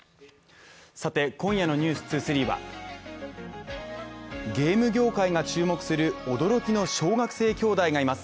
今夜の「ｎｅｗｓ２３」は、ゲーム業界が注目する驚きの小学生兄弟がいます。